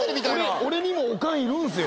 俺にもおかんいるんすよ。